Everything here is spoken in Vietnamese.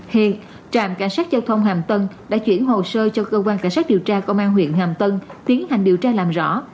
hiện trạm cảnh sát giao thông hàm tân đã chuyển hồ sơ cho cơ quan cảnh sát điều tra công an huyện hàm tân tiến hành điều tra làm rõ